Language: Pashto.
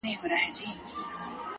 هره ورځ د نوې انرژۍ سرچینه ده.